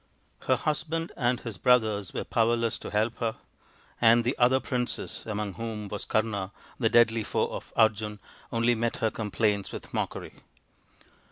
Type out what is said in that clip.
Her husband and his brothers were powerless to help her, and the other princes, among whom was Kama, the deadly foe of Arjun, only met her com plaints with mockery.